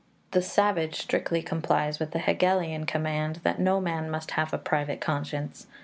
The savage strictly complies with the Hegelian command that no man must have a private conscience.